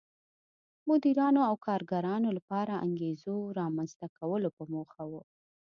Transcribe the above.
مدیرانو او کارګرانو لپاره انګېزو رامنځته کولو په موخه و.